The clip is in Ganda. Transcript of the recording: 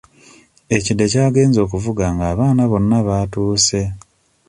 Ekide ky'agenze okuvuga nga abaana bonna batuuse.